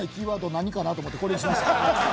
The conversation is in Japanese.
何かなと思ってこれにしました。